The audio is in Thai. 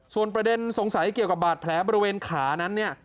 ส่วนประเด็นสงสัยเกี่ยวกับบาดแผลบริเวณขานั้นเนี่ย